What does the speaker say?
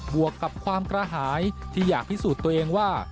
วกกับความกระหายที่อยากพิสูจน์ตัวเองว่า